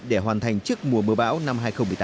để hoàn thành trước mùa mưa bão năm hai nghìn một mươi tám